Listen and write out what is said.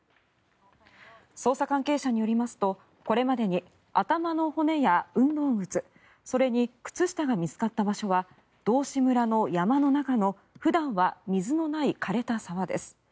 捜査関係者によりますとこれまでに頭の骨や運動靴それに、靴下が見つかった場所は道志村の山の中の普段は水のない枯れた沢です。